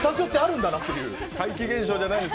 怪奇現象ではないです。